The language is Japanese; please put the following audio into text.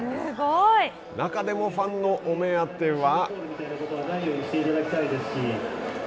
中でもファンのお目当ては。